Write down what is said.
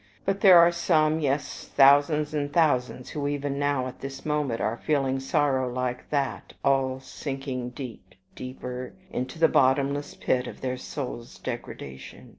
But there are some, yes, thousands and thousands, who even now, at this moment, are feeling sorrow like that, are sinking deep, deeper into the bottomless pit of their soul's degradation.